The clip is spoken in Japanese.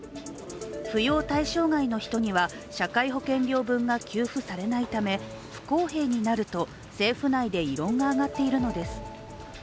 扶養対象外の人には、社会保険料分が給付されないため不公平になると政府内で異論が上がっているのです。